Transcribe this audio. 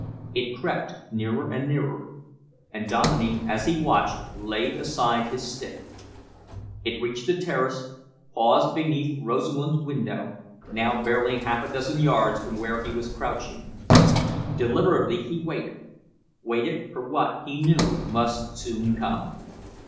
It crept nearer and nearer, and Dominey, as he watched, laid aside his stick. It reached the terrace, paused beneath Rosamund's window, now barely half a dozen yards from where he was crouching. Deliberately he waited, waited for what he knew must soon come.